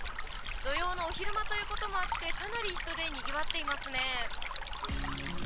土曜のお昼間ということもあってかなりの人でにぎわっています。